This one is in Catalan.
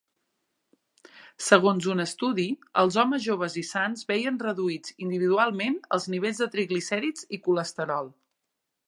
Segons un estudi, els homes joves i sans veien reduïts individualment els nivells de triglicèrids i colesterol.